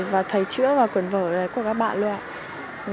và thầy chữa vào quần vở đấy của các bạn luôn